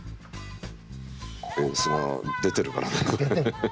ベースが出てるからね。